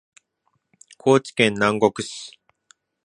高知県南国市